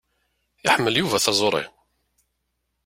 Iḥemmel Yuba taẓuṛi.